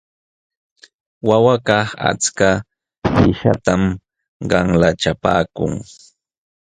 Wawakaq achka qishatam qanlachapaakun.